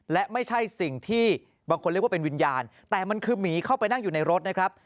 และไม่ใช่สิ่งที่บางคนเรียกว่าเป็นวิญญาณแต่มันคือหมีเข้าไปนั่งอยู่ในรถนะครับ